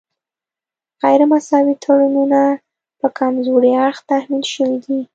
غیر مساوي تړونونه په کمزوري اړخ تحمیل شوي دي